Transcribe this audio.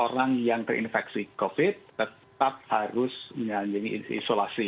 orang yang terinfeksi covid tetap harus menjalani isolasi